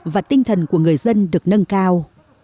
và tinh thần của người dân được nâng cao